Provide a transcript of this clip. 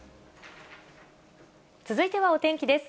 続いてはお天気です。